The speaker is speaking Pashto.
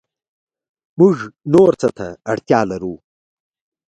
موږ نور څه ته اړتیا لرو